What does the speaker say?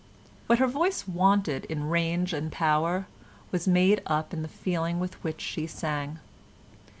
What her voice wanted in range and power was made up in the feeling with which she sang.